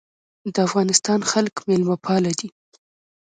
د افغانستان خلک میلمه پال دي